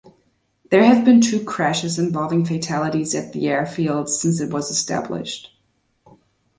There have been two crashes involving fatalities at the airfield since it was established.